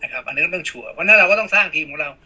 อันนี้ก็ต้องชัวร์เพราะฉะนั้นเราก็ต้องสร้างทีมของเรา